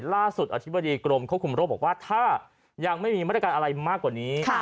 อธิบดีกรมควบคุมโรคบอกว่าถ้ายังไม่มีมาตรการอะไรมากกว่านี้